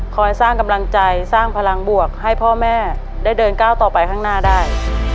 สร้างกำลังใจสร้างพลังบวกให้พ่อแม่ได้เดินก้าวต่อไปข้างหน้าได้